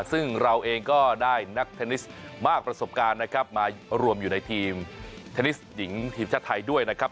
ซึ่งเราเองก็ได้นักเทนนิสมากประสบการณ์นะครับมารวมอยู่ในทีมเทนนิสหญิงทีมชาติไทยด้วยนะครับ